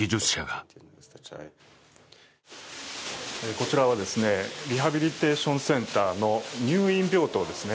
こちらはリハビリテーションセンターの入院病棟ですね。